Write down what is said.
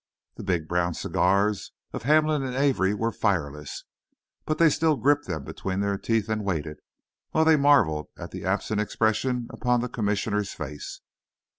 The big brown cigars of Hamlin and Avery were fireless, but they still gripped them between their teeth and waited, while they marvelled at the absent expression upon the Commissioner's face.